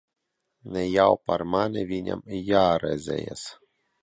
Ne jau par mani viņam jāraizējas.